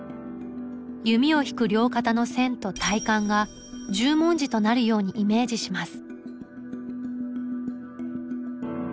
弓を引く両肩の線と体幹が十文字となるようにイメージします。